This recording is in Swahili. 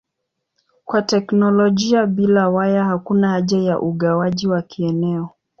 Kwa teknolojia bila waya hakuna haja ya ugawaji wa kieneo.